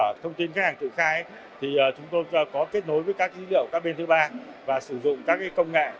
trên cơ sở thông tin khách hàng tự khai thì chúng tôi có kết nối với các dữ liệu các bên thứ ba và sử dụng các công nghệ